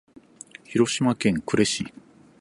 広島県呉市